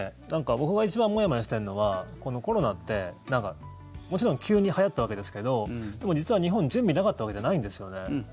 僕が一番もやもやしてるのはコロナってもちろん急にはやったわけですけどでも、実は日本準備がなかったわけじゃないんですよね。